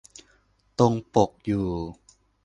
ตรงปกอยู่